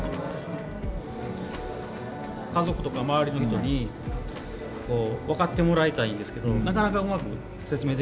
家族とか周りの人に分かってもらいたいんですけどなかなかうまく説明できないんですよね。